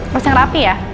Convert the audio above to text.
pasti yang rapi ya